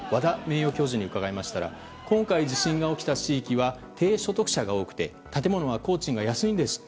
誉教授に伺いましたら今回地震が起きた地域は低所得者が多くて建物は工賃が安いと。